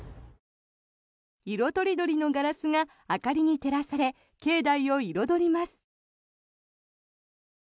色とりどりのガラスが明かりに照らされ境内を彩ります。